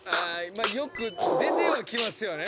よく出てはきますよね。